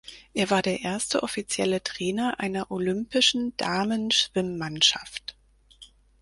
Er war der erste offizielle Trainer einer olympischen Damen-Schwimmmannschaft.